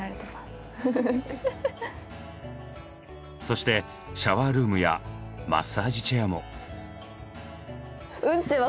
そしてシャワールームやマッサージチェアも。